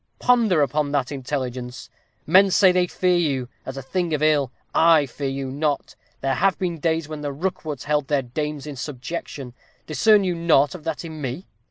Ponder upon that intelligence. Men say they fear you, as a thing of ill. I fear you not. There have been days when the Rookwoods held their dames in subjection. Discern you nought of that in me?"